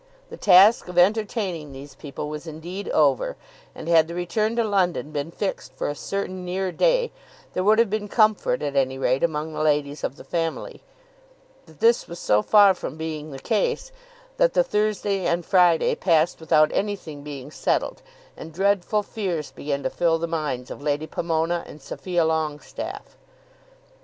The task of entertaining these people was indeed over, and had the return to London been fixed for a certain near day, there would have been comfort at any rate among the ladies of the family. But this was so far from being the case that the Thursday and Friday passed without anything being settled, and dreadful fears began to fill the minds of Lady Pomona and Sophia Longestaffe.